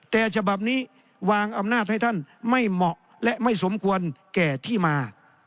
แต่ฉบับนี้วางอำนาจให้ท่านไม่เหมาะและไม่สมควรแก่ที่มา